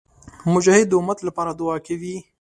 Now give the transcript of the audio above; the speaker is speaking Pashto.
مجاهد د امت لپاره دعا کوي.